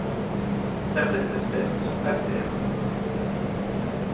Certaines espèces sont aptères.